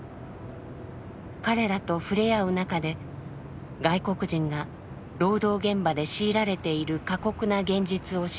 彼らとふれあう中で外国人が労働現場で強いられている過酷な現実を知ります。